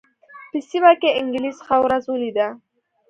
په سیمه کې انګلیس ښه ورځ ولېده.